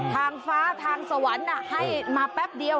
ทางฟ้าทางสวรรค์ให้มาแป๊บเดียว